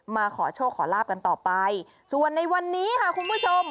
มาขอโชคขอลาบกันต่อไปส่วนในวันนี้ค่ะคุณผู้ชม